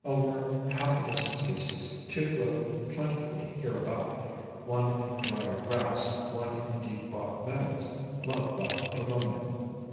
152 SOME HUMBLE ORCHIDS Of half a dozen species, two grow plentifully hereabout, one in the drier grass, one in the deep bog meadows, loved by Pogonia.